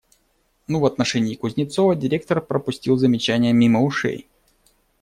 Ну, в отношении Кузнецова директор пропустил замечание мимо ушей.